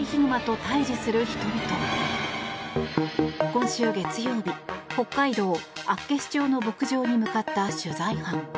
今週月曜日、北海道厚岸町の牧場に向かった取材班。